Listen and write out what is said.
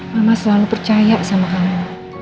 mama selalu percaya sama kalian